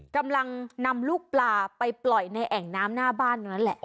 กำลังนำลูกปลาไปปล่อยในแอ่งน้ำหน้าบ้านตรงนั้นแหละ